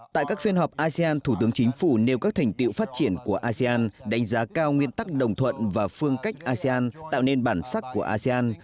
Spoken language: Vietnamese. tại các phiên họp asean thủ tướng chính phủ nêu các thành tiệu phát triển của asean đánh giá cao nguyên tắc đồng thuận và phương cách asean tạo nên bản sắc của asean